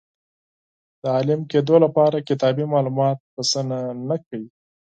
د عالم کېدو لپاره کتابي معلومات بسنه نه کوي.